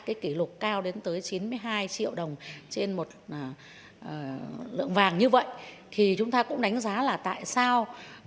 cái kỷ lục cao đến tới chín mươi hai triệu đồng trên một lượng vàng như vậy thì chúng ta cũng đánh giá là tại sao